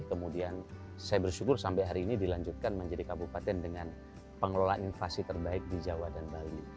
kemudian saya bersyukur sampai hari ini dilanjutkan menjadi kabupaten dengan pengelolaan inflasi terbaik di jawa dan bali